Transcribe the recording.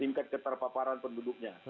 tingkat keterpaparan penduduknya